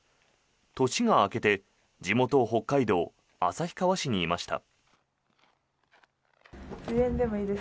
年が明けて地元・北海道旭川市にいました。